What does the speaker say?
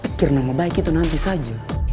pikir nama baik itu nanti saja